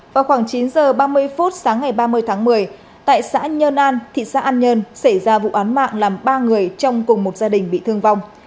vào khoảng chín h ba mươi phút sáng ngày ba mươi tháng một mươi tại xã nhơn an thị xã an nhơn xảy ra vụ án mạng làm ba người trong cùng một gia đình bị thương vong